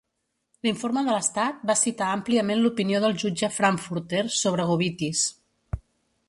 L'informe de l'estat va citar àmpliament l'opinió del jutge Frankfurter sobre Gobitis.